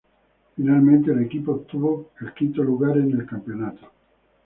Finalmente el equipo obtuvo quinto lugar en el campeonato.